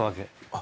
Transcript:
あ！